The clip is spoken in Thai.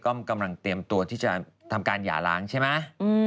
ก็กำลังเตรียมตัวที่จะทำการหย่าล้างใช่ไหม